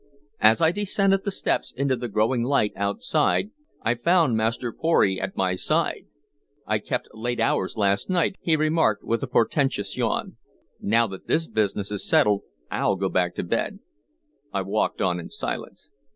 As I descended the steps into the growing light outside, I found Master Pory at my side. "I kept late hours last night," he remarked, with a portentous yawn. "Now that this business is settled, I'll go back to bed." I walked on in silence.